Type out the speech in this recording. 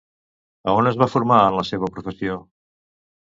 A on es va formar en la seva professió?